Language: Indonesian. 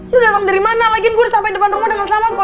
lo datang dari mana lagian gue udah sampai depan rumah dengan selamat kok